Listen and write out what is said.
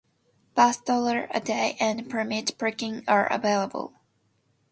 Both dollar-a-day and permit parking are available.